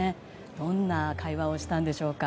どんな会話をしたんでしょうか。